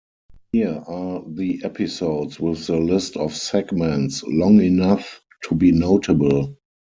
Here are the episodes with the list of segments long enough to be notable.